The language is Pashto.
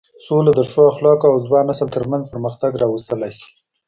سوله د ښو اخلاقو او ځوان نسل تر منځ پرمختګ راوستلی شي.